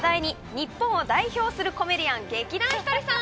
日本を代表するコメディアン劇団ひとりさん。